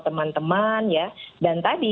teman teman ya dan tadi